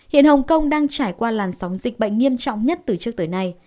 hiện hồng kông đang trải qua làn sóng dịch bệnh nghiêm trọng nhất từ trước tới nay